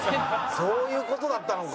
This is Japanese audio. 「そういう事だったのか！」